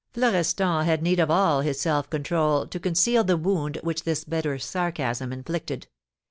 Florestan had need of all his self control to conceal the wound which this bitter sarcasm inflicted.